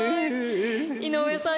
井上さん